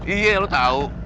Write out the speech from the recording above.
iya lu tahu